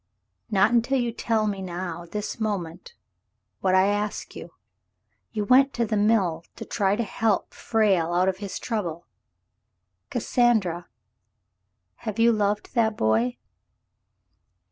"Not until you tell me now — this moment — what I ask you. You went to the mill to try to help Frale out of his trouble. Cassandra, have you loved that boy